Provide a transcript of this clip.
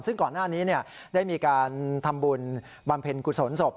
ซึ่งก่อนหน้านี้ได้มีการทำบุญบำเพ็ญกุศลศพ